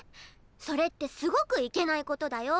それってすごくいけないことだよ！